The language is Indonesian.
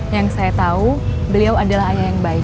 yang saya tahu beliau adalah ayah yang baik